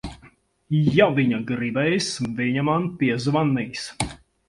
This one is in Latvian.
Ja viņa gribēs, viņa man piezvanīs.